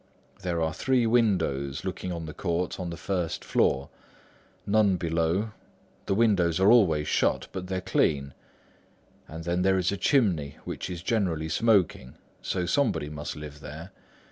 There are three windows looking on the court on the first floor; none below; the windows are always shut but they're clean. And then there is a chimney which is generally smoking; so somebody must live there.